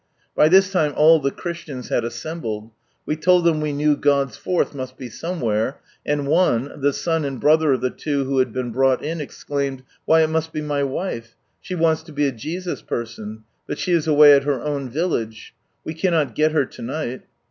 By this lime all the Christians had assembled. We told them we knew God's fourth must be somewhere, and one, the son and brother of the two who had been brought in, exclaimed, " Why, it must be my wife. She wants lo be a Jesus person, but she is away at her own village. We cannot get her to night."